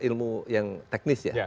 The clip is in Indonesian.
ilmu yang teknis ya